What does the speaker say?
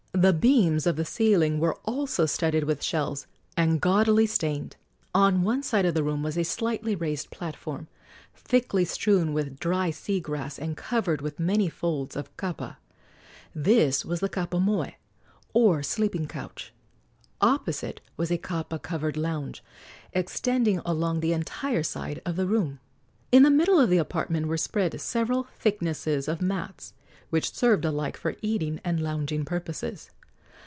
The beams of the ceiling were also studded with shells and gaudily stained. On one side of the room was a slightly raised platform, thickly strewn with dry sea grass and covered with many folds of kapa. This was the kapa moe, or sleeping couch. Opposite was a kapa covered lounge extending along the entire side of the room. In the middle of the apartment were spread several thicknesses of mats, which served alike for eating and lounging purposes.